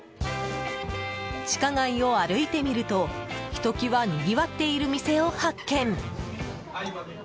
地下街を歩いてみるとひと際にぎわっている店を発見。